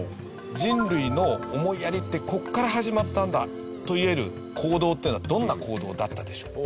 人類の思いやりってここから始まったんだといえる行動っていうのはどんな行動だったでしょう？